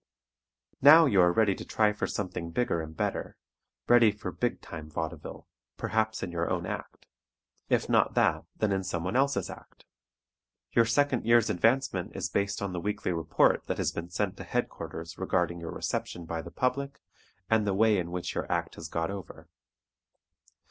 Now you are ready to try for something bigger and better, ready for "big time" vaudeville, perhaps in your own act; if not that, then in someone else's act. Your second year's advancement is based on the weekly report that has been sent to headquarters regarding your reception by the public and the way in which your act has got over.